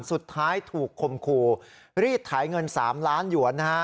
สุดท้ายถูกคมคู่รีดถ่ายเงิน๓ล้านหยวนนะฮะ